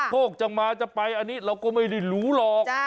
โชคจะมาจะไปอันนี้เราก็ไม่ได้รู้หรอก